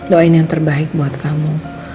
doain yang terbaik buat kamu